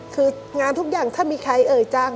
คืองานทุกอย่างถ้ามีใครเอ่ยจัง